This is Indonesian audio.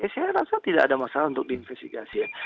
saya rasa tidak ada masalah untuk diinvestigasi ya